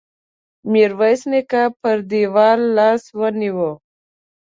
ميرويس نيکه پر دېوال لاس ونيو.